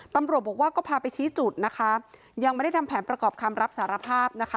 ตำรวจบอกว่าก็พาไปชี้จุดนะคะยังไม่ได้ทำแผนประกอบคำรับสารภาพนะคะ